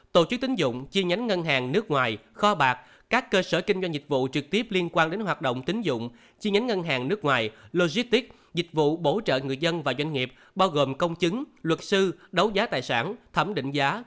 tổ chức tính dụng chi nhánh ngân hàng nước ngoài kho bạc các cơ sở kinh doanh dịch vụ trực tiếp liên quan đến hoạt động tính dụng chi nhánh ngân hàng nước ngoài logistic dịch vụ bổ trợ người dân và doanh nghiệp bao gồm công chứng luật sư đấu giá tài sản thẩm định giá